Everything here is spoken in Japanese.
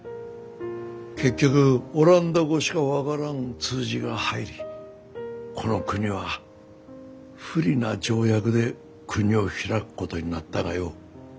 結局オランダ語しか分からん通詞が入りこの国は不利な条約で国を開くことになったがよ。